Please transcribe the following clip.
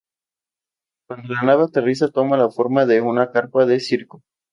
Cuando la nave aterriza toma la forma de una carpa de circo.